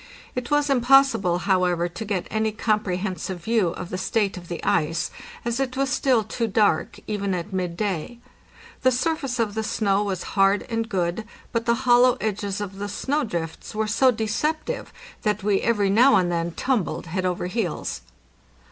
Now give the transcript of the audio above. It was impossible, however, to get any comprehensive view of the state of the ice, as it was still too dark, even at midday. The surface of the snow was hard and good, but the hollow edges of the snow drifts were so deceptive that we every now and then tumbled head over heels.